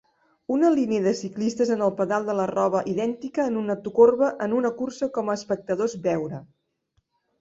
una línia de ciclistes en el pedal de la roba idèntica en una corba en una cursa com a espectadors veure